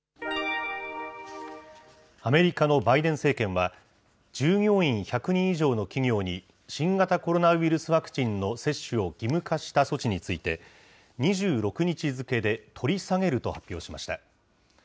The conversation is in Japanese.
アメリカのバイデン政権は、従業員１００人以上の企業に新型コロナウイルスワクチンの接種を義務化した措置について、２６日付で取り下げると発表しました。